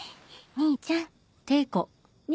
兄ちゃん。